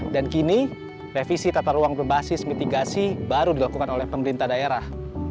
dan kini revisi tata ruang berbasis mitigasi baru dilakukan oleh pemerintah daerah